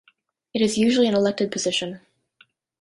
It is usually an elected position.